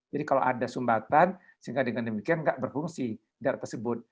jadi kalau ada sumbatan sehingga dengan demikian nggak berfungsi darah tersebut